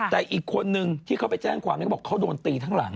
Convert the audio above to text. แต่อีกคนนึงที่เขาไปแจ้งความนี้เขาบอกเขาโดนตีทั้งหลัง